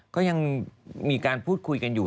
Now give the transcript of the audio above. ก็ยังมีการพูดคุยกันอยู่